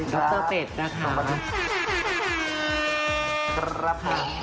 สวัสดีครับ